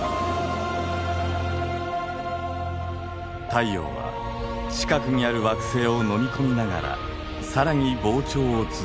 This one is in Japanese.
太陽は近くにある惑星を飲み込みながら更に膨張を続けます。